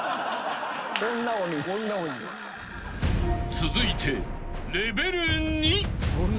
［続いてレベル２］